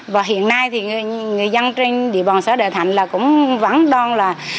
và hiện nay thì người dân trên địa bàn xã đà thành là cũng vắng đoan là